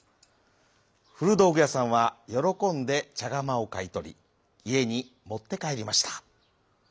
ふるどうぐやさんはよろこんでちゃがまをかいとりいえにもってかえりました。